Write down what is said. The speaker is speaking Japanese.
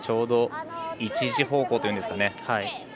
ちょうど１時方向というんですかね。